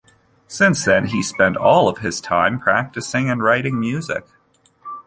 Since then, he spent all of his time practising and writing music.